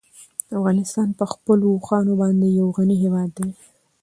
افغانستان په خپلو اوښانو باندې یو غني هېواد دی.